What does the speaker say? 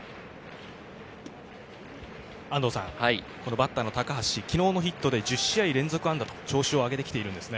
バッター・高橋、昨日のヒットで１０試合連続安打と調子を上げています。